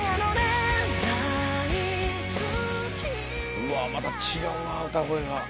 うわまた違うな歌声が。